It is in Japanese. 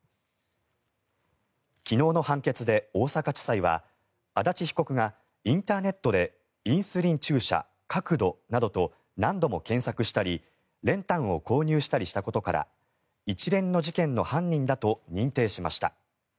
昨日の判決で大阪地裁は足立被告がインターネットで「インスリン注射角度」などと何度も検索したり練炭を購入したりしたことから一連の事件の犯人だと認定しました。